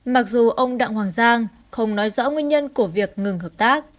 mặc dù ông đặng hoàng giang không nói rõ nguyên nhân của việc ngừng hợp tác